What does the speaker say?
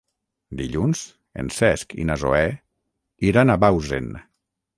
Dilluns en Cesc i na Zoè iran a Bausen.